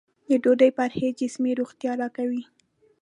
د ډوډۍ پرهېز جسمي روغتیا راکوي.